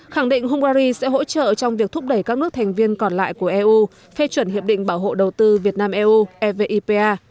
khẳng định hungary sẽ hỗ trợ trong việc thúc đẩy các nước thành viên còn lại của eu phê chuẩn hiệp định bảo hộ đầu tư việt nam eu evipa